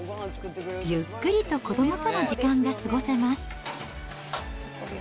ゆっくりと子どもとの時間が過ごせます。